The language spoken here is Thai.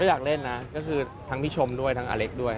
อยากเล่นนะก็คือทั้งพี่ชมด้วยทั้งอเล็กด้วย